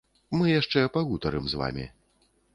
Мы яшчэ пагутарым з вамі.